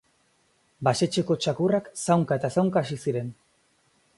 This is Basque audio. Basetxeko txakurrak zaunka eta zaunka hasi ziren.